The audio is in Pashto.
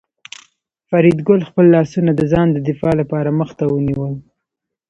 فریدګل خپل لاسونه د ځان د دفاع لپاره مخ ته ونیول